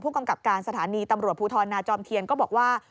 กำกับการสถานีตำรวจภูทรนาจอมเทียนก็บอกว่า